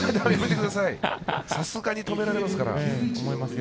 さすがに止められますから。